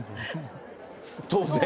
当然。